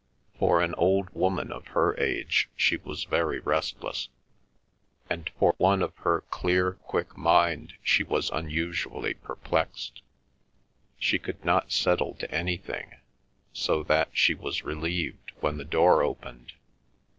For an old woman of her age she was very restless, and for one of her clear, quick mind she was unusually perplexed. She could not settle to anything, so that she was relieved when the door opened.